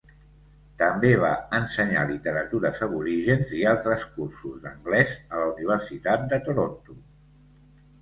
També va ensenyar literatures aborígens i altres cursos d'anglès a la Universitat de Toronto.